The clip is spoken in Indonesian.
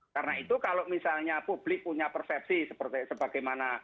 karena itu kalau misalnya publik punya persepsi seperti sebagaimana